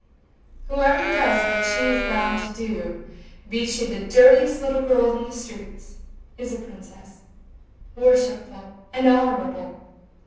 Whoever does what she is bound to do, be she the dirtiest little girl in the street, is a princess, worshipful, honorable.